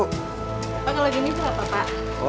kalau gini berapa pak